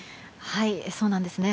そうなんですね。